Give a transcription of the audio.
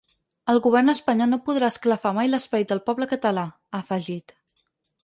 El govern espanyol no podrà esclafar mai l’esperit del poble català, ha afegit.